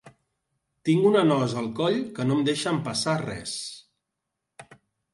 Tinc una nosa al coll que no em deixa empassar res.